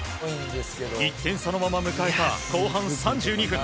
１点差のまま迎えた後半３２分。